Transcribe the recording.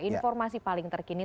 informasi paling terkini